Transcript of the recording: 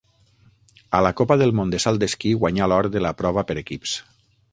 A la Copa del Món de salt d'esquí guanyà l'or de la prova per equips.